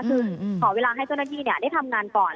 คือขอเวลาให้เจ้าหน้าที่ได้ทำงานก่อน